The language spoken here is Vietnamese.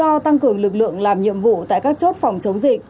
do tăng cường lực lượng làm nhiệm vụ tại các chốt phòng chống dịch